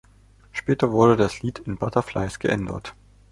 Später wurde das Lied in "Butterflies" geändert.